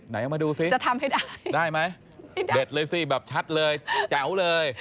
ไหนเอามาดูสิได้ไหมเด็ดเลยสิแบบชัดเลยเจ๋าเลย